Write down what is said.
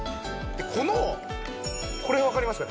このこれわかりますかね？